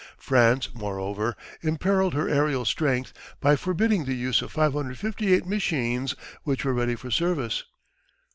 France, moreover, imperilled her aerial strength by forbidding the use of 558 machines which were ready for service.